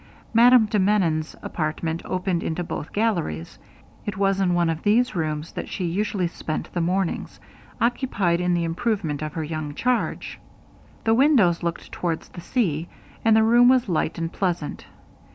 Madame de Menon's apartment opened into both galleries. It was in one of these rooms that she usually spent the mornings, occupied in the improvement of her young charge. The windows looked towards the sea, and the room was light and pleasant.